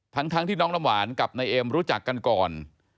ทั้งที่น้องน้ำหวานกับนายเอ็มรู้จักกันก่อน